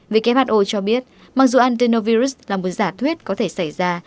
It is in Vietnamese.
who cho biết mặc dù antenovirus là một giả thuyết có thể xảy ra